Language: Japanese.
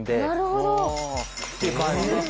なるほど。って感じ。